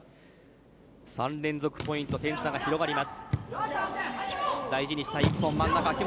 ３連続ポイント点差が広がります。